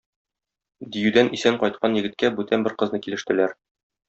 Диюдән исән кайткан егеткә бүтән бер кызны килештеләр.